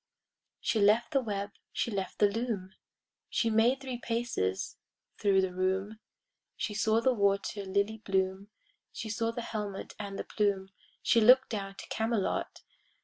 She left the web, she left the loom, She made three paces thro' the room, She saw the water lily bloom, She saw the helmet and the plume, She look'd down to Camelot.